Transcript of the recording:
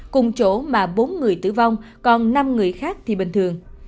cùng chỗ mà bốn người tử vong còn năm người khác thì bình thường